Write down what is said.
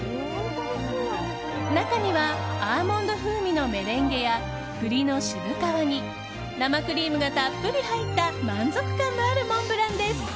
中にはアーモンド風味のメレンゲや栗の渋皮煮、生クリームがたっぷり入った満足感のあるモンブランです。